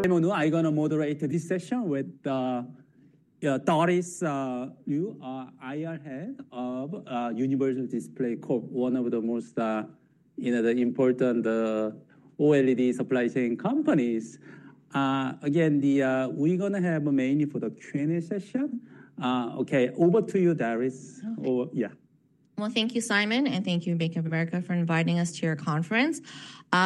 I'm going to moderate this session with Darice Liu, IR head of Universal Display, one of the most important OLED supply chain companies. Again, we're going to have mainly for the Q&A session. Okay, over to you, Darice. Thank you, Simon, and thank you, Bank of America, for inviting us to your conference.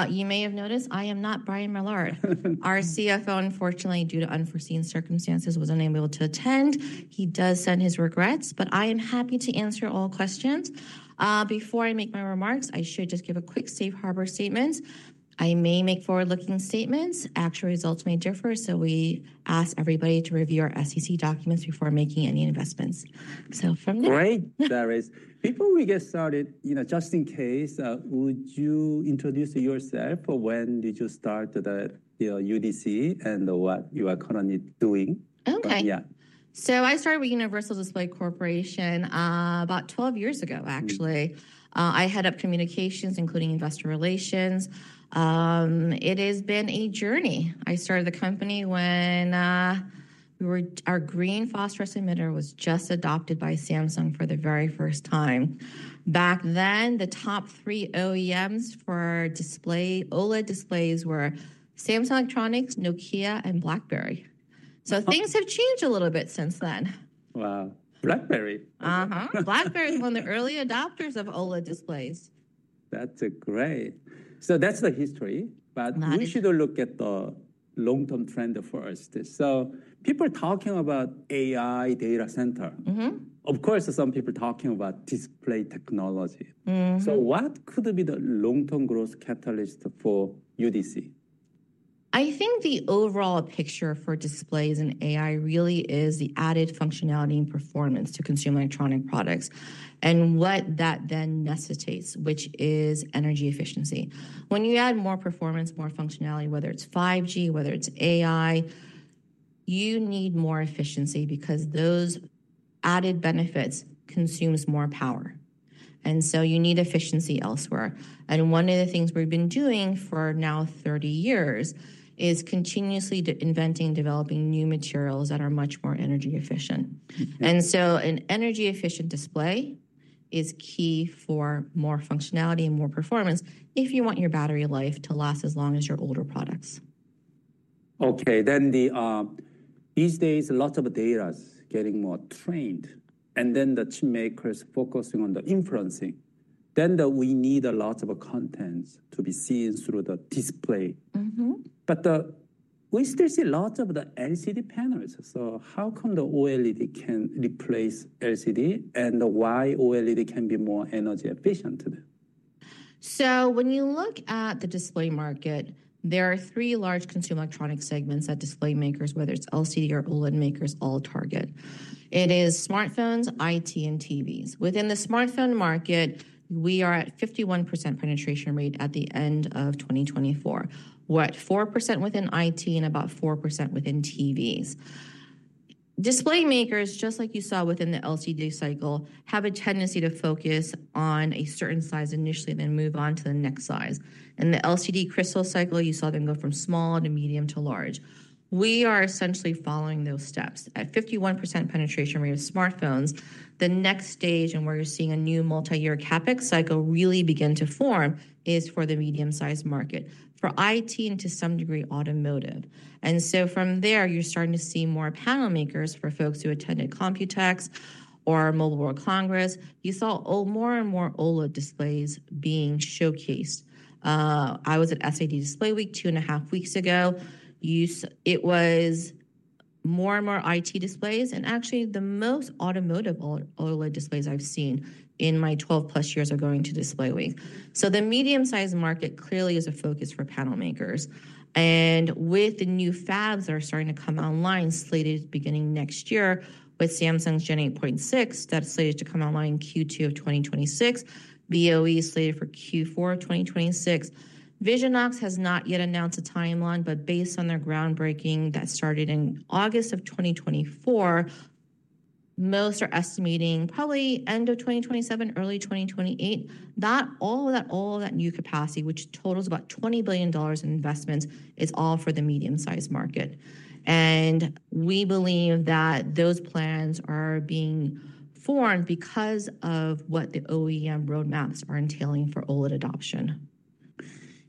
You may have noticed I am not Brian Millard. Our CFO, unfortunately, due to unforeseen circumstances, was unable to attend. He does send his regrets, but I am happy to answer all questions. Before I make my remarks, I should just give a quick safe harbor statement. I may make forward-looking statements. Actual results may differ, so we ask everybody to review our SEC documents before making any investments. From there. Great, Darice. Before we get started, just in case, would you introduce yourself, when did you start at UDC, and what you are currently doing? Okay. I started with Universal Display Corporation about 12 years ago, actually. I head up communications, including investor relations. It has been a journey. I started the company when our green phosphorescent emitter was just adopted by Samsung for the very first time. Back then, the top three OEMs for OLED displays were Samsung Electronics, Nokia, and BlackBerry. Things have changed a little bit since then. Wow. BlackBerry. BlackBerry was one of the early adopters of OLED displays. That's great. That's the history, but we should look at the long-term trend first. People talking about AI data center, of course, some people talking about display technology. What could be the long-term growth catalyst for UDC? I think the overall picture for displays and AI really is the added functionality and performance to consumer electronic products and what that then necessitates, which is energy efficiency. When you add more performance, more functionality, whether it's 5G, whether it's AI, you need more efficiency because those added benefits consume more power. You need efficiency elsewhere. One of the things we've been doing for now 30 years is continuously inventing and developing new materials that are much more energy efficient. An energy-efficient display is key for more functionality and more performance if you want your battery life to last as long as your older products. Okay, these days, a lot of data is getting more trained, and the chip makers focusing on the inferencing. We need a lot of content to be seen through the display. We still see lots of the LCD panels. How come the OLED can replace LCD, and why OLED can be more energy efficient? When you look at the display market, there are three large consumer electronic segments that display makers, whether it's LCD or OLED makers, all target. It is smartphones, IT, and TVs. Within the smartphone market, we are at 51% penetration rate at the end of 2024, what, 4% within IT and about 4% within TVs. Display makers, just like you saw within the LCD cycle, have a tendency to focus on a certain size initially and then move on to the next size. In the LCD crystal cycle, you saw them go from small to medium to large. We are essentially following those steps. At 51% penetration rate of smartphones, the next stage and where you're seeing a new multi-year CapEx cycle really begin to form is for the medium-sized market, for IT and to some degree automotive. From there, you're starting to see more panel makers. For folks who attended Computex or Mobile World Congress, you saw more and more OLED displays being showcased. I was at SID Display Week two and a half weeks ago. It was more and more IT displays. Actually, the most automotive OLED displays I've seen in my 12+ years are going to Display Week. The medium-sized market clearly is a focus for panel makers. With the new fabs that are starting to come online, slated beginning next year with Samsung's Gen 8.6 that's slated to come online in Q2 of 2026, BOE is slated for Q4 of 2026. Visionox has not yet announced a timeline, but based on their groundbreaking that started in August of 2024, most are estimating probably end of 2027, early 2028. That all of that new capacity, which totals about $20 billion in investments, is all for the medium-sized market. We believe that those plans are being formed because of what the OEM roadmaps are entailing for OLED adoption.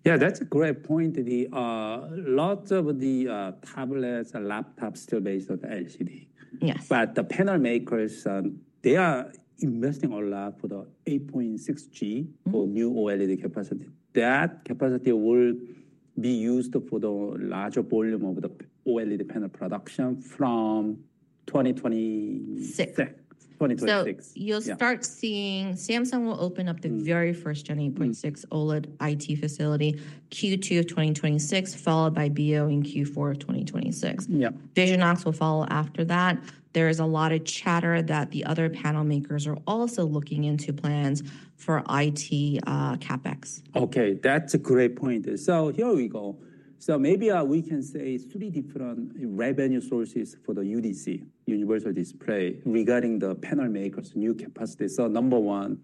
Yeah, that's a great point. Lots of the tablets and laptops still based on LCD. The panel makers, they are investing a lot for the Gen 8.6 for new OLED capacity. That capacity will be used for the larger volume of the OLED panel production from 2026. You'll start seeing Samsung will open up the very first Gen 8.6 OLED IT facility Q2 of 2026, followed by BOE in Q4 of 2026. Visionox will follow after that. There is a lot of chatter that the other panel makers are also looking into plans for IT CapEx. Okay, that's a great point. Here we go. Maybe we can say three different revenue sources for UDC, Universal Display Corporation, regarding the panel makers' new capacity. Number one,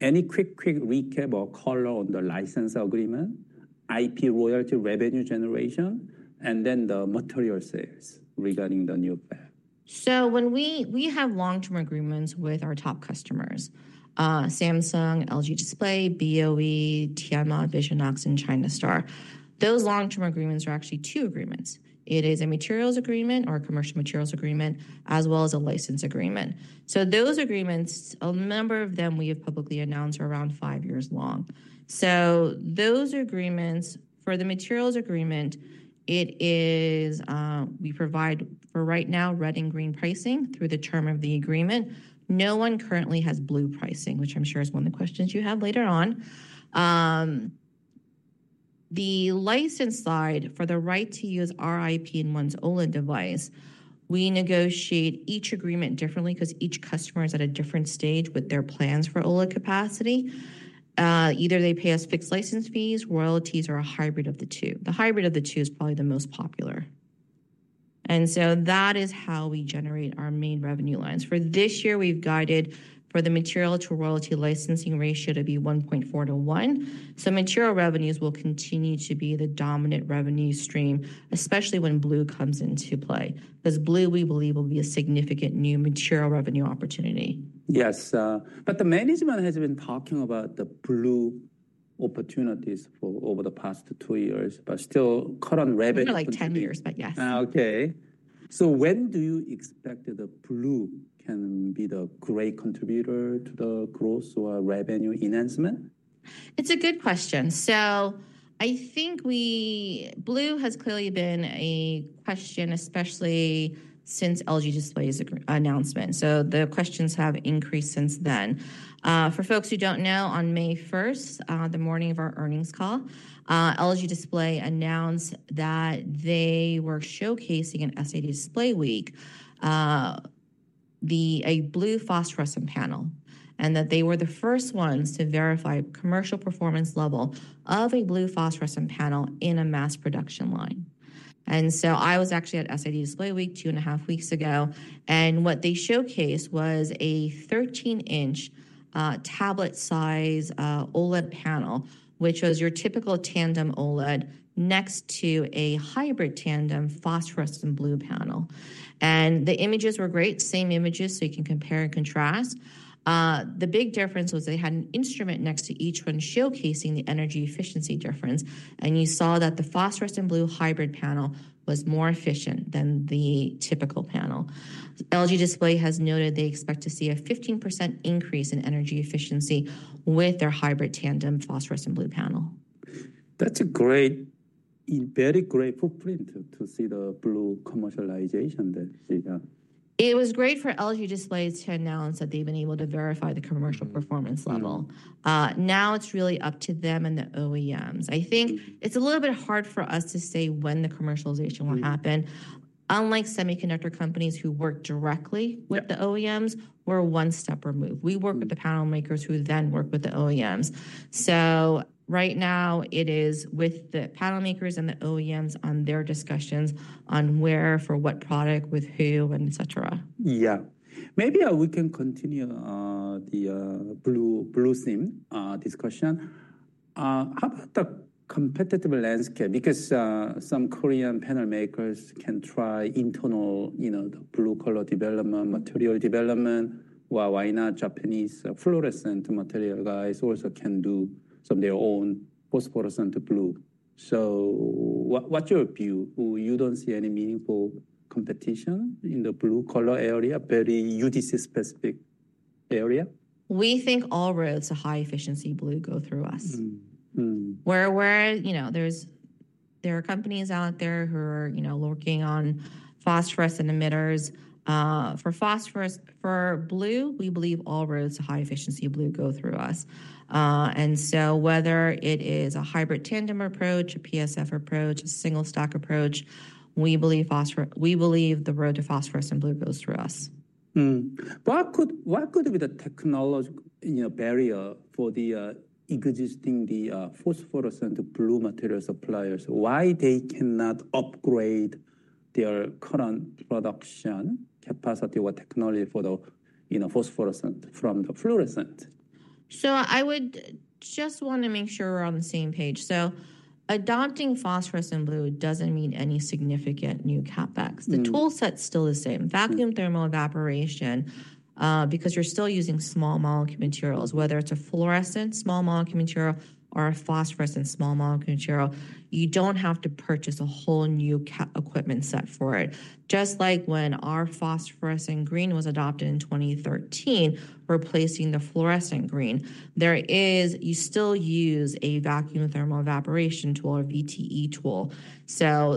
any quick recap or color on the license agreement, IP royalty revenue generation, and then the material sales regarding the new band. We have long-term agreements with our top customers: Samsung, LG Display, BOE, Tianma, Visionox, and China Star. Those long-term agreements are actually two agreements. It is a materials agreement or a commercial materials agreement, as well as a license agreement. Those agreements, a number of them we have publicly announced, are around five years long. For the materials agreement, we provide for right now red and green pricing through the term of the agreement. No one currently has Blue pricing, which I am sure is one of the questions you have later on. The license side for the right to use IP in one's OLED device, we negotiate each agreement differently because each customer is at a different stage with their plans for OLED capacity. Either they pay us fixed license fees, royalties, or a hybrid of the two. The hybrid of the two is probably the most popular. That is how we generate our main revenue lines. For this year, we've guided for the material to royalty licensing ratio to be 1.4 to one. Material revenues will continue to be the dominant revenue stream, especially when Blue comes into play, because Blue we believe will be a significant new material revenue opportunity. Yes, but the management has been talking about the Blue opportunities for over the past two years, but still current revenue. Over the last 10 years, yes. Okay. When do you expect the Blue can be the great contributor to the growth or revenue enhancement? It's a good question. I think Blue has clearly been a question, especially since LG Display's announcement. The questions have increased since then. For folks who don't know, on May 1st, the morning of our earnings call, LG Display announced that they were showcasing at SID Display Week a Blue phosphorescent panel and that they were the first ones to verify commercial performance level of a Blue phosphorescent panel in a mass production line. I was actually at SID Display Week two and a half weeks ago, and what they showcased was a 13-inch tablet-sized OLED panel, which was your typical tandem OLED next to a hybrid tandem phosphorescent blue panel. The images were great, same images, so you can compare and contrast. The big difference was they had an instrument next to each one showcasing the energy efficiency difference, and you saw that the phosphorescent blue hybrid panel was more efficient than the typical panel. LG Display has noted they expect to see a 15% increase in energy efficiency with their hybrid tandem phosphorescent blue panel. That's a very great footprint to see the Blue commercialization then. It was great for LG Display to announce that they've been able to verify the commercial performance level. Now it's really up to them and the OEMs. I think it's a little bit hard for us to say when the commercialization will happen. Unlike semiconductor companies who work directly with the OEMs, we're one step removed. We work with the panel makers who then work with the OEMs. Right now, it is with the panel makers and the OEMs on their discussions on where, for what product, with who, and et cetera. Yeah. Maybe we can continue the blue theme discussion. How about the competitive landscape? Because some Korean panel makers can try internal blue color development, material development. Why not Japanese fluorescent material guys also can do some of their own phosphorescent blue? What's your view? You don't see any meaningful competition in the blue color area, very UDC-specific area? We think all roads to high-efficiency Blue go through us. There are companies out there who are working on phosphorescent emitters. For Blue, we believe all roads to high-efficiency Blue go through us. Whether it is a hybrid tandem approach, a PSF approach, a single-stack approach, we believe the road to phosphorescent blue goes through us. What could be the technological barrier for the existing phosphorescent blue material suppliers? Why they cannot upgrade their current production capacity or technology for the phosphorescent from the fluorescent? I just want to make sure we're on the same page. Adopting phosphorescent blue does not mean any significant new CapEx. The tool set is still the same. Vacuum thermal evaporation, because you're still using small molecule materials, whether it's a fluorescent small molecule material or a phosphorescent small molecule material, you do not have to purchase a whole new equipment set for it. Just like when our phosphorescent green was adopted in 2013, replacing the fluorescent green, you still use a vacuum thermal evaporation tool or VTE tool.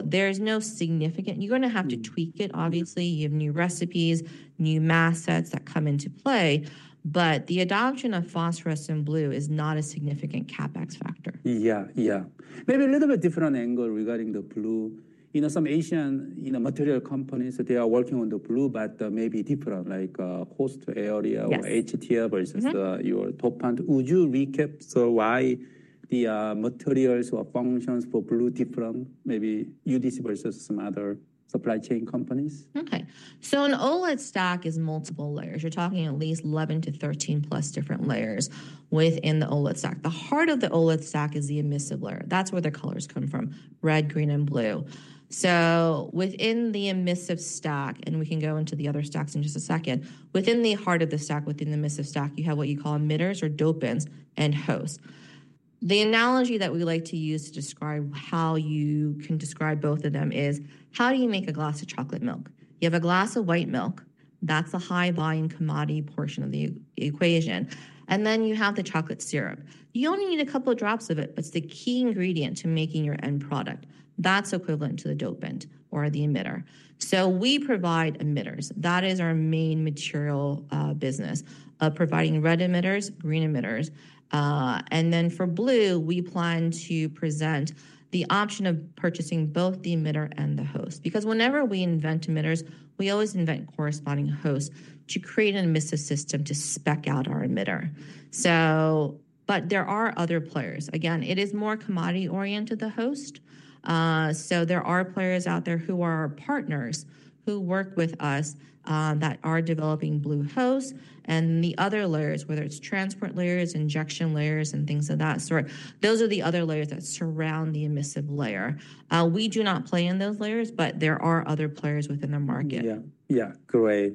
There is no significant—you are going to have to tweak it, obviously. You have new recipes, new mass sets that come into play. The adoption of phosphorescent blue is not a significant CapEx factor. Yeah, yeah. Maybe a little bit different angle regarding the Blue. Some Asian material companies, they are working on the Blue, but maybe different, like host area or HTL versus your top one. Would you recap why the materials or functions for Blue different, maybe UDC versus some other supply chain companies? Okay. An OLED stack is multiple layers. You're talking at least 11 to 13 plus different layers within the OLED stack. The heart of the OLED stack is the emissive layer. That's where the colors come from: red, green, and blue. Within the emissive stack, and we can go into the other stacks in just a second, within the heart of the stack, within the emissive stack, you have what you call emitters or dopants and hosts. The analogy that we like to use to describe how you can describe both of them is, how do you make a glass of chocolate milk? You have a glass of white milk. That's the high-volume commodity portion of the equation. Then you have the chocolate syrup. You only need a couple of drops of it, but it's the key ingredient to making your end product. That's equivalent to the dopant or the emitter. We provide emitters. That is our main material business of providing red emitters, green emitters. For Blue, we plan to present the option of purchasing both the emitter and the host. Whenever we invent emitters, we always invent corresponding hosts to create an emissive system to spec out our emitter. There are other players. It is more commodity-oriented, the host. There are players out there who are partners who work with us that are developing Blue hosts. The other layers, whether it's transport layers, injection layers, and things of that sort, those are the other layers that surround the emissive layer. We do not play in those layers, but there are other players within the market. Yeah, yeah, great.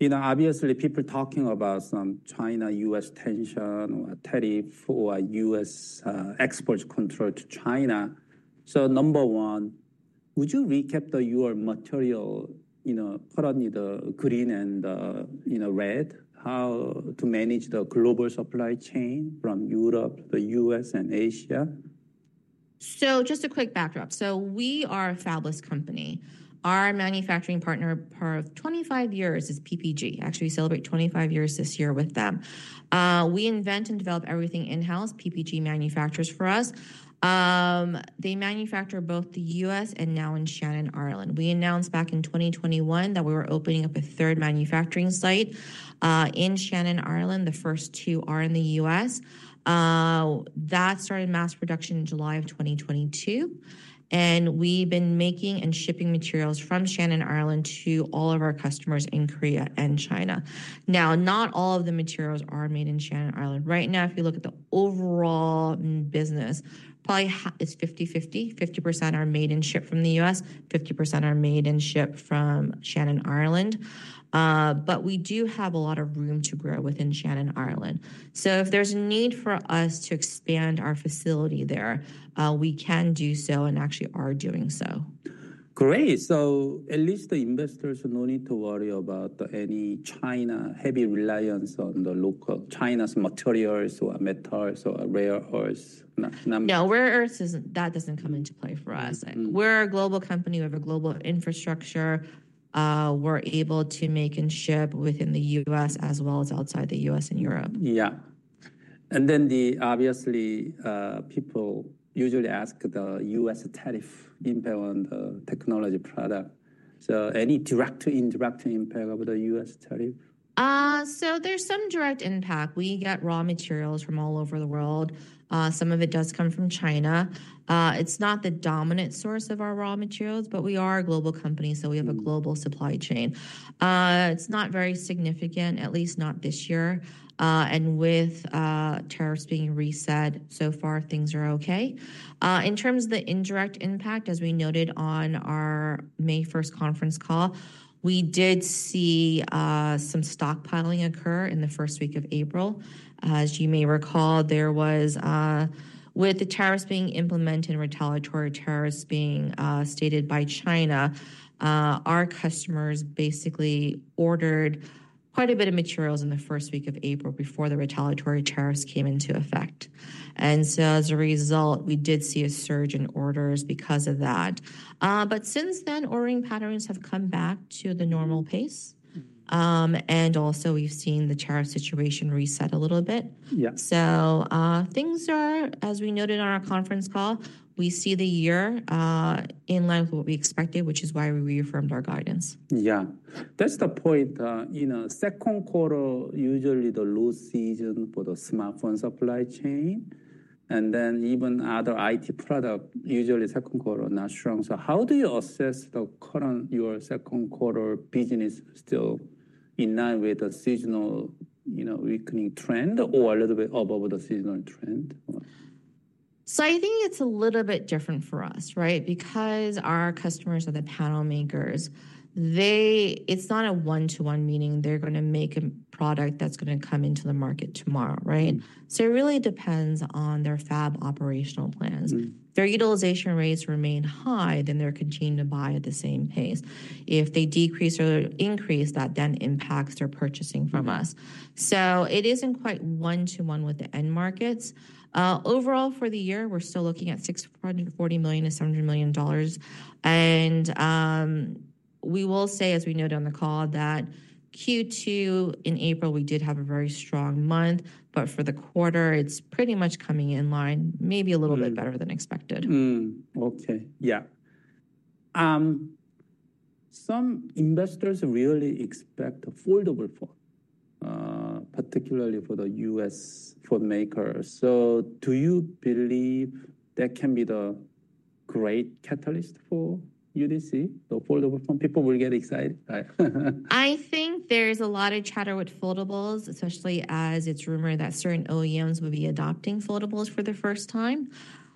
You know, obviously, people talking about some China-U.S. tension or tariff or U.S. export control to China. Number one, would you recap your material, currently the green and red, how to manage the global supply chain from Europe, the U.S., and Asia? Just a quick backdrop. We are a fabless company. Our manufacturing partner for 25 years is PPG. Actually, we celebrate 25 years this year with them. We invent and develop everything in-house. PPG manufactures for us. They manufacture both in the U.S. and now in Shannon, Ireland. We announced back in 2021 that we were opening up a third manufacturing site in Shannon, Ireland. The first two are in the U.S. That started mass production in July of 2022. We have been making and shipping materials from Shannon, Ireland, to all of our customers in Korea and China. Not all of the materials are made in Shannon, Ireland. Right now, if you look at the overall business, probably it is 50-50. 50% are made and shipped from the U.S., 50% are made and shipped from Shannon, Ireland. We do have a lot of room to grow within Shannon, Ireland. If there's a need for us to expand our facility there, we can do so and actually are doing so. Great. At least the investors no need to worry about any China heavy reliance on the local China's materials or metals or rare earths. Yeah, rare earths, that does not come into play for us. We are a global company. We have a global infrastructure. We are able to make and ship within the U.S. as well as outside the U.S. and Europe. Yeah. Obviously, people usually ask the U.S. tariff impact on the technology product. Any direct impact of the U.S. tariff? There is some direct impact. We get raw materials from all over the world. Some of it does come from China. It is not the dominant source of our raw materials, but we are a global company, so we have a global supply chain. It is not very significant, at least not this year. With tariffs being reset, so far things are okay. In terms of the indirect impact, as we noted on our May 1st, 2024 conference call, we did see some stockpiling occur in the first week of April. As you may recall, with the tariffs being implemented and retaliatory tariffs being stated by China, our customers basically ordered quite a bit of materials in the first week of April before the retaliatory tariffs came into effect. As a result, we did see a surge in orders because of that. Since then, ordering patterns have come back to the normal pace. Also, we've seen the tariff situation reset a little bit. Things are, as we noted on our conference call, we see the year in line with what we expected, which is why we reaffirmed our guidance. Yeah. That's the point. In the second quarter, usually the low season for the smartphone supply chain. Then even other IT products, usually second quarter, not strong. How do you assess your second quarter business, still in line with the seasonal weakening trend or a little bit above the seasonal trend? I think it's a little bit different for us, right? Because our customers are the panel makers. It's not a one-to-one meaning they're going to make a product that's going to come into the market tomorrow, right? It really depends on their fab operational plans. If their utilization rates remain high, then they're continuing to buy at the same pace. If they decrease or increase, that then impacts their purchasing from us. It isn't quite one-to-one with the end markets. Overall, for the year, we're still looking at $640 million to $700 million. We will say, as we noted on the call, that Q2 in April, we did have a very strong month, but for the quarter, it's pretty much coming in line, maybe a little bit better than expected. Okay, yeah. Some investors really expect a foldable phone, particularly for the U.S. phone makers. Do you believe that can be the great catalyst for UDC, the foldable phone? People will get excited. I think there's a lot of chatter with foldables, especially as it's rumored that certain OEMs will be adopting foldables for the first time.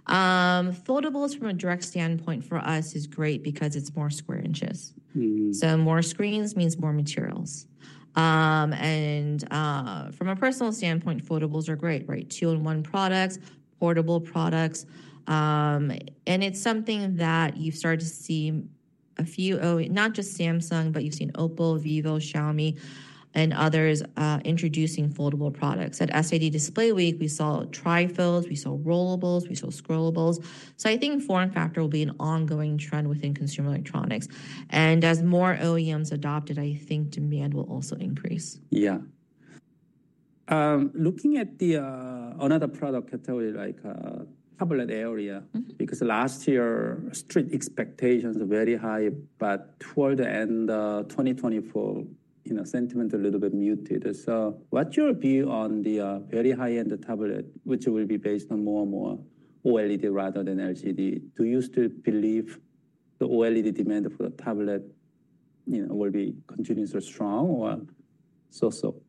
Foldables, from a direct standpoint for us, is great because it's more square inches. More screens means more materials. From a personal standpoint, foldables are great, right? Two-in-one products, portable products. It's something that you've started to see a few, not just Samsung, but you've seen Oppo, Vivo, Xiaomi, and others introducing foldable products. At SID Display Week, we saw trifolds, we saw rollables, we saw scrollables. I think form factor will be an ongoing trend within consumer electronics. As more OEMs adopt it, I think demand will also increase. Yeah. Looking at another product category like tablet area, because last year, street expectations were very high, but toward the end of 2024, sentiment a little bit muted. What is your view on the very high-end tablet, which will be based on more and more OLED rather than LCD? Do you still believe the OLED demand for the tablet will be continuous or strong or so-so?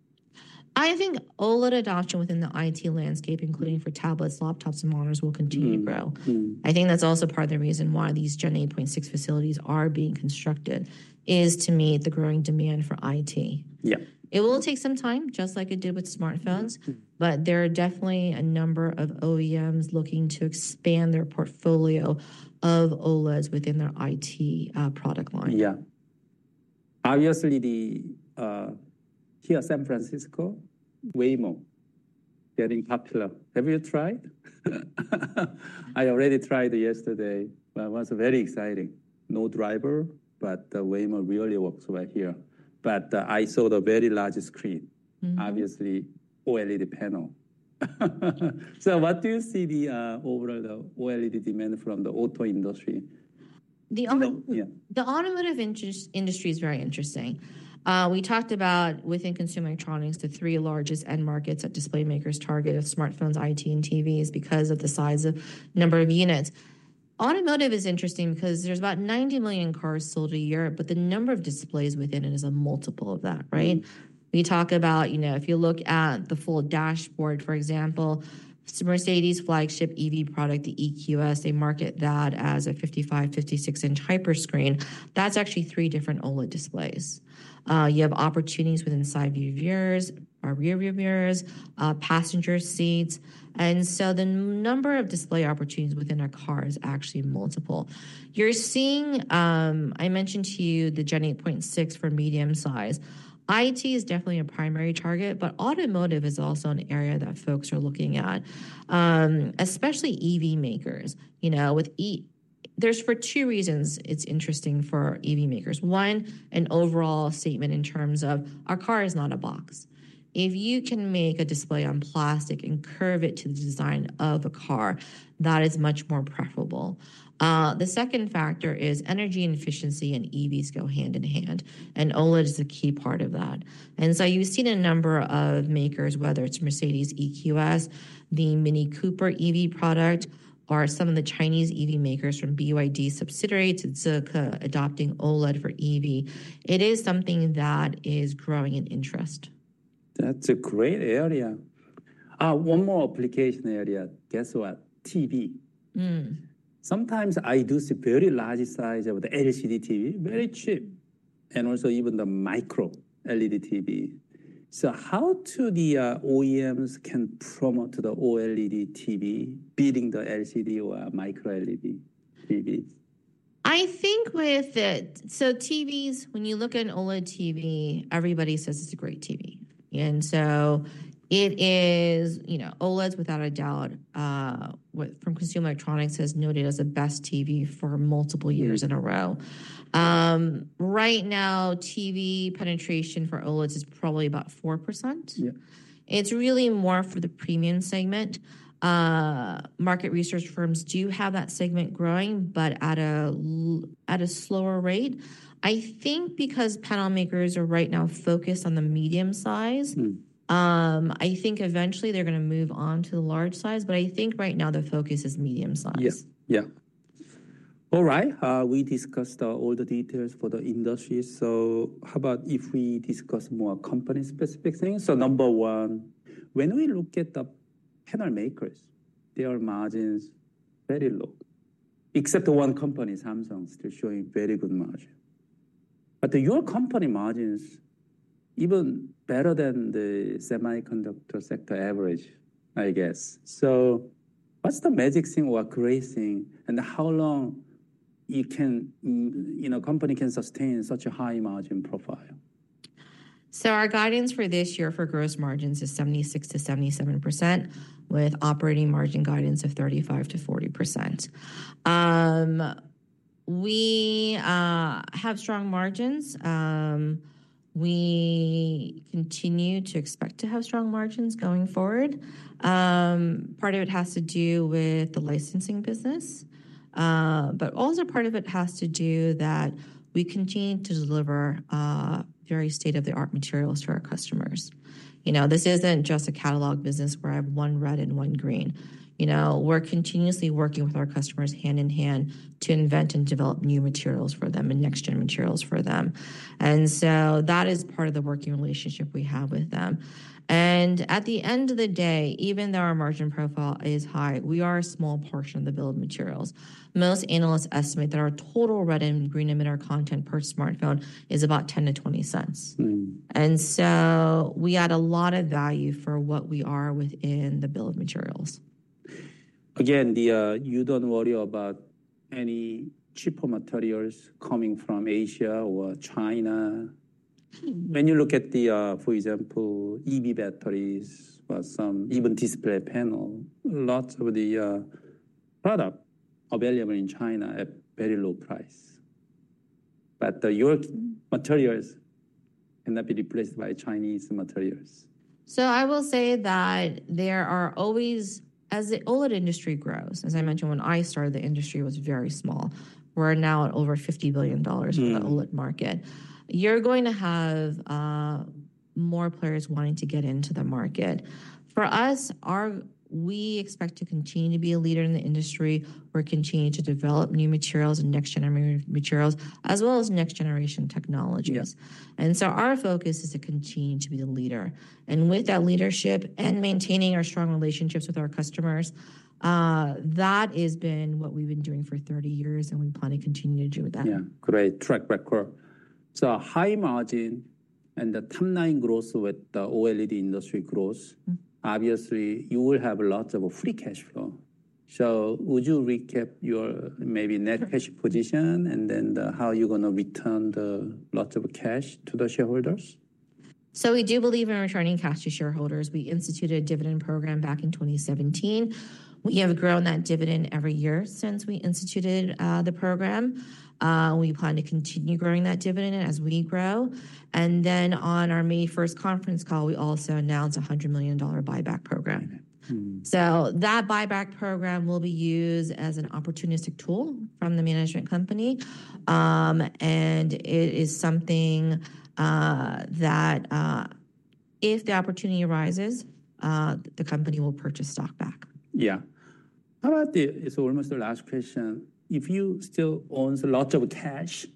I think OLED adoption within the IT landscape, including for tablets, laptops, and monitors, will continue to grow. I think that's also part of the reason why these Gen 8.6 facilities are being constructed, is to meet the growing demand for IT. It will take some time, just like it did with smartphones, but there are definitely a number of OEMs looking to expand their portfolio of OLEDs within their IT product line. Yeah. Obviously, here in San Francisco, Waymo, getting popular. Have you tried? I already tried yesterday. It was very exciting. No driver, but Waymo really works right here. I saw the very large screen, obviously OLED panel. What do you see the overall OLED demand from the automotive industry? The automotive industry is very interesting. We talked about within consumer electronics, the three largest end markets that display makers target are smartphones, IT, and TVs because of the size of number of units. Automotive is interesting because there are about 90 million cars sold a year, but the number of displays within it is a multiple of that, right? We talk about, you know, if you look at the full dashboard, for example, Mercedes' flagship EV product, the EQS, they market that as a 55-inch, 56-inch hyperscreen. That is actually three different OLED displays. You have opportunities within side view mirrors, rear view mirrors, passenger seats. The number of display opportunities within a car is actually multiple. You are seeing, I mentioned to you the Gen 8.6 for medium size. IT is definitely a primary target, but automotive is also an area that folks are looking at, especially EV makers. You know, there's for two reasons it's interesting for EV makers. One, an overall statement in terms of our car is not a box. If you can make a display on plastic and curve it to the design of a car, that is much more preferable. The second factor is energy and efficiency and EVs go hand in hand, and OLED is a key part of that. You have seen a number of makers, whether it's Mercedes' EQS, the Mini Cooper EV product, or some of the Chinese EV makers from BYD subsidiaries and Zeekr Intelligent Technology Holding Limited adopting OLED for EV. It is something that is growing in interest. That's a great area. One more application area. Guess what? TV. Sometimes I do see very large size of the LCD TV, very cheap, and also even the Micro LED TV. How do the OEMs can promote the OLED TV, beating the LCD or Micro LED TV? I think with it, TVs, when you look at an OLED TV, everybody says it's a great TV. And so it is, you know, OLEDs without a doubt, from consumer electronics, has noted as the best TV for multiple years in a row. Right now, TV penetration for OLEDs is probably about 4%. It's really more for the premium segment. Market research firms do have that segment growing, but at a slower rate. I think because panel makers are right now focused on the medium size, I think eventually they're going to move on to the large size, but I think right now the focus is medium size. Yes, yeah. All right, we discussed all the details for the industry. How about if we discuss more company-specific things? Number one, when we look at the panel makers, their margins are very low, except one company, Samsung, still showing very good margins. Your company margins are even better than the semiconductor sector average, I guess. What's the magic thing we're gracing and how long a company can sustain such a high margin profile? Our guidance for this year for gross margins is 76% to 77%, with operating margin guidance of 35% to 40%. We have strong margins. We continue to expect to have strong margins going forward. Part of it has to do with the licensing business, but also part of it has to do that we continue to deliver very state-of-the-art materials to our customers. You know, this isn't just a catalog business where I have one red and one green. You know, we're continuously working with our customers hand in hand to invent and develop new materials for them and next-gen materials for them. That is part of the working relationship we have with them. At the end of the day, even though our margin profile is high, we are a small portion of the bill of materials. Most analysts estimate that our total red and green emitter content per smartphone is about $0.10 to $0.20. We add a lot of value for what we are within the bill of materials. Again, you do not worry about any cheaper materials coming from Asia or China. When you look at the, for example, EV batteries or some even display panel, lots of the products are available in China at very low price. But your materials cannot be replaced by Chinese materials. I will say that there are always, as the OLED industry grows, as I mentioned, when I started, the industry was very small. We're now at over $50 billion in the OLED market. You're going to have more players wanting to get into the market. For us, we expect to continue to be a leader in the industry. We're continuing to develop new materials and next-generation materials, as well as next-generation technologies. Our focus is to continue to be a leader. With that leadership and maintaining our strong relationships with our customers, that has been what we've been doing for 30 years, and we plan to continue to do that. Yeah, great track record. High margin and the timeline growth with the OLED industry growth, obviously you will have lots of free cash flow. Would you recap your maybe net cash position and then how you're going to return lots of cash to the shareholders? We do believe in returning cash to shareholders. We instituted a dividend program back in 2017. We have grown that dividend every year since we instituted the program. We plan to continue growing that dividend as we grow. On our May 1st conference call, we also announced a $100 million buyback program. That buyback program will be used as an opportunistic tool from the management company. It is something that if the opportunity arises, the company will purchase stock back. Yeah. How about, it's almost the last question. If you still own a lot of cash,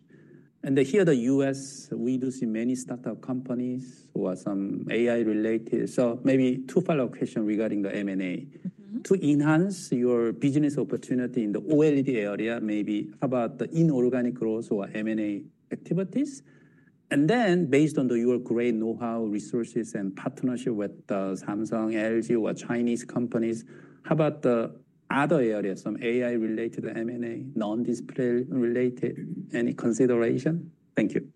and here in the U.S., we do see many startup companies or some AI-related, so maybe two follow-up questions regarding the M&A. To enhance your business opportunity in the OLED area, maybe how about the inorganic growth or M&A activities? Then based on your great know-how, resources, and partnership with Samsung, LG, or Chinese companies, how about the other areas, some AI-related M&A, non-display-related, any consideration? Thank you.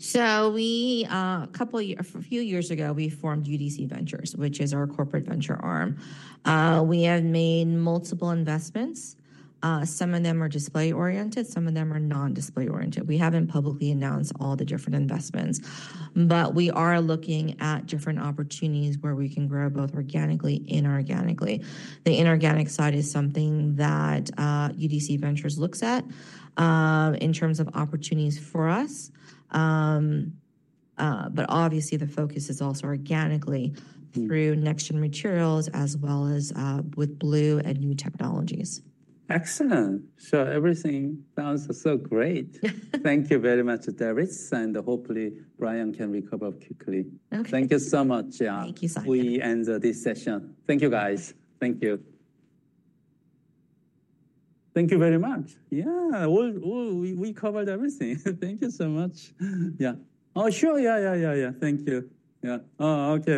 A few years ago, we formed UDC Ventures, which is our corporate venture arm. We have made multiple investments. Some of them are display-oriented, some of them are non-display-oriented. We have not publicly announced all the different investments, but we are looking at different opportunities where we can grow both organically and inorganically. The inorganic side is something that UDC Ventures looks at in terms of opportunities for us. Obviously, the focus is also organically through next-gen materials as well as with blue and new technologies. Excellent. Everything sounds so great. Thank you very much, Darice, and hopefully Brian can recover quickly. Okay. Thank you so much. Thank you, Simon. We end this session. Thank you, guys. Thank you. Thank you very much. Yeah, we covered everything. Thank you so much. Yeah. Oh, sure. Yeah, yeah. Thank you. Yeah. Oh, okay.